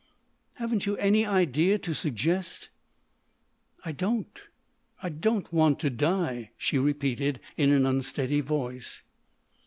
"Haven't you any idea to suggest?" "I don't—don't want to die," she repeated in an unsteady voice.